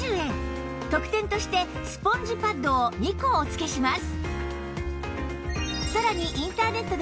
特典としてスポンジパッドを２個お付けします